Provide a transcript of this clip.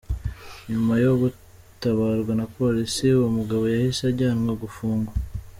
Nyuma yo gutabarwa na Polisi, uwo mugabo yahise ajyanwa gufungwa.